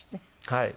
はい。